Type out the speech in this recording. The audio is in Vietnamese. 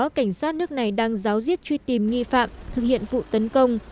cảnh sát nước này đang giáo diết truy tìm nghi phạm thực hiện vụ tấn công